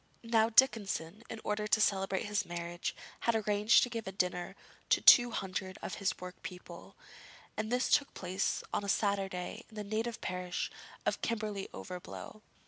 Now Dickinson, in order to celebrate his marriage, had arranged to give a dinner to two hundred of his workpeople, and this took place on a Saturday in his native parish of Kirkby Overblow.